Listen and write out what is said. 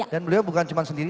dan beliau bukan cuma sendiri